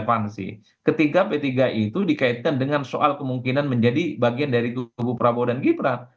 apa yang menjadi relevansi ketika p tiga itu dikaitkan dengan soal kemungkinan menjadi bagian dari gugup prabowo dan gibrang